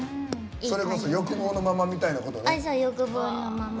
それこそ欲望のままみたいなね。